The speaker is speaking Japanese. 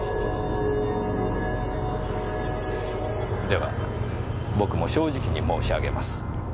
では僕も正直に申し上げます。